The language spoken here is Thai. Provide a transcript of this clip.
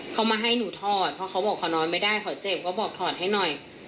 เขามาให้หนูถอดเพราะเขาบอกเขานอนไม่ได้เขาเจ็บก็บอกถอดให้หน่อย